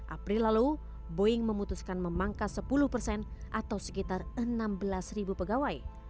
april lalu boeing memutuskan memangkas sepuluh persen atau sekitar enam belas ribu pegawai